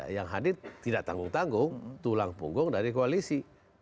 yang hadir tidak tanggung tanggung tulang punggung dari koalisi